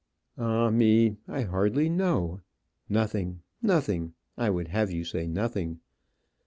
"Ah me! I hardly know. Nothing nothing I would have you say nothing.